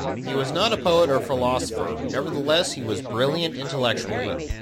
He was not a poet or philosopher, nevertheless he was brilliant intellectually.